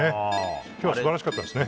今日は素晴らしかったですね。